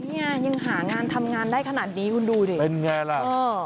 เนี่ยยังหางานทำงานได้ขนาดนี้คุณดูดิเป็นไงล่ะ